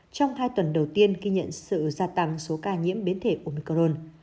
trong hai tuần đầu tiên ghi nhận sự gia tăng số ca nhiễm biến thể omicron